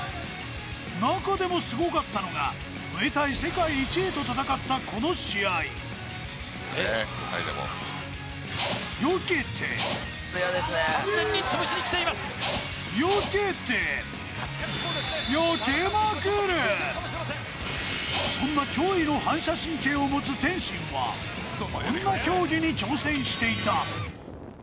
中でもすごかったのがムエタイ世界１位と戦ったこの試合そんな驚異の反射神経を持つ天心は、こんな競技に挑戦していた。